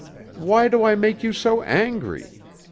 Why do I make you so angry?